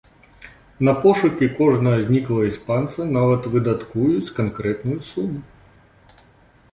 На пошукі кожнага зніклага іспанца нават выдаткуюць канкрэтную суму.